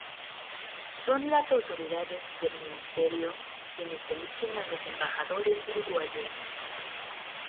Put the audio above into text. Son las autoridades del Ministerio quienes eligen a los Embajadores Uruguayos.